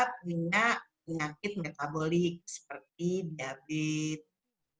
penyakit metabolik seperti diabetes